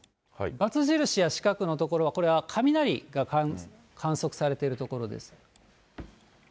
バツ印や四角の所は、これは雷が観測されている所です。